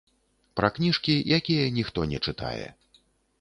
Пра кніжкі, якія ніхто не чытае.